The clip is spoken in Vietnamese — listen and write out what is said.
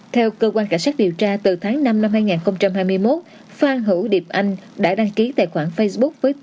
theo cơ quan cảnh sát điều tra từ tháng năm năm hai nghìn hai mươi một phan hữu điệp anh đã đăng ký tài khoản facebook